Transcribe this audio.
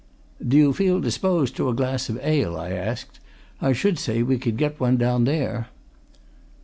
"Do you feel disposed to a glass of ale?" I asked. "I should say we could get one down there."